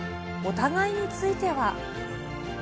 お互いについては。